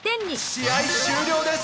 試合終了です！